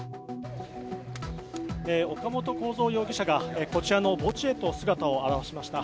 岡本公三容疑者がこちらの墓地へと姿を現しました。